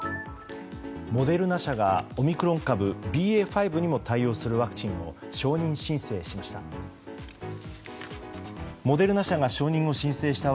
モデルナ社がオミクロン株ＢＡ．５にも対応するワクチンを承認申請しました。